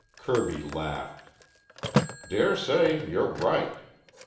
Kirby laughed. "Dare say you're right.